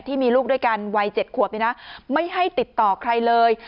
ที่มีลูกด้วยกันวัย๗ขวบนี่นะไม่ให้ติดต่อใครเลย